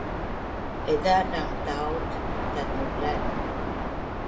Haiza dang taaut tatnulan